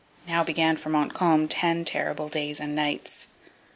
Now began for Montcalm ten terrible days and nights.